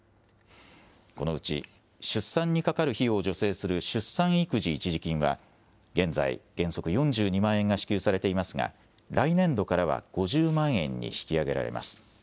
このうち、出産にかかる費用を助成する出産育児一時金は現在、原則４２万円が支給されていますが、来年度からは５０万円に引き上げられます。